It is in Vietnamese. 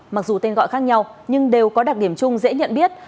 mặc dù tên gọi khác nhau nhưng đều có đặc điểm chung dễ nhận biết